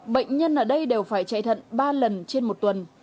bệnh nhân ở đây đều phải chạy thận ba lần trên một tuần